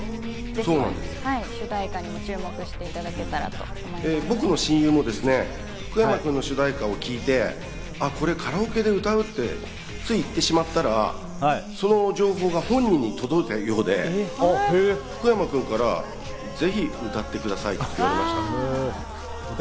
主題歌にも注目していただけ僕の親友も福山君の主題歌を聞いて、これカラオケで歌うってつい言ってしまったら、その情報が本人に届いたようで、福山君からぜひ歌ってくださいと言われました。